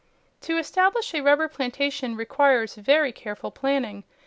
To establish a rubber plantation requires very careful planning.